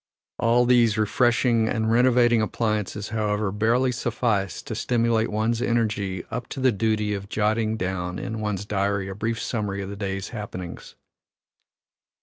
All these refreshing and renovating appliances, however, barely suffice to stimulate one's energy up to the duty of jotting down in one's diary a brief summary of the day's happenings.